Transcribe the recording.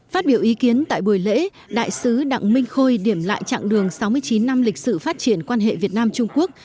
phát biểu ý kiến tại buổi lễ đại sứ đặng minh khôi điểm lại chặng đường sáu mươi chín năm lịch sử phát triển quan hệ việt nam trung quốc